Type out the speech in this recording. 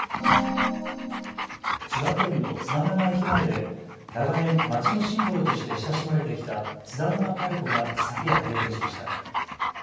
千葉県の津田沼駅前で長年、街のシンボルとして親しまれてきた津田沼パルコが昨夜閉店しました。